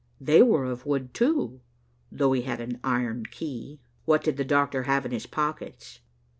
They were of wood, too, though he had an iron key." "What did the doctor have in his pockets?"